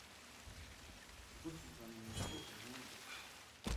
Rwose nzamenya ko unkunda